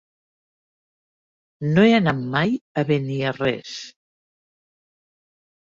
No he anat mai a Beniarrés.